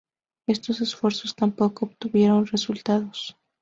Estos esfuerzos tampoco obtuvieron resultados.